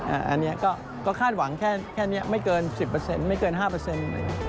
อันนี้ก็คาดหวังแค่นี้ไม่เกิน๑๐ไม่เกิน๕